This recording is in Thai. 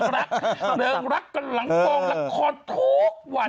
เริงรักกันหลังกองละครทุกวัน